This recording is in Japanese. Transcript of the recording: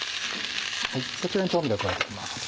こちらに調味料加えていきます。